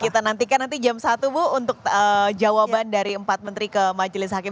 kita nantikan nanti jam satu bu untuk jawaban dari empat menteri ke majelis hakim